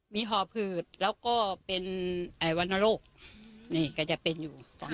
มีหอผืดแล้วก็เป็นไอวัณโลกกระแยะเป็นอยู่๒อย่าง